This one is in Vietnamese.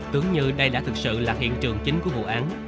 tưởng như đây đã thực sự là hiện trường chính của vụ án